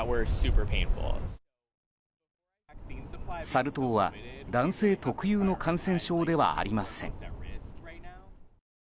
サル痘は男性特有の感染症ではありません。